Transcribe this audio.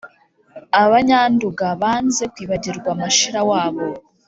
- abanyanduga banze kwibagirwa mashira wabo: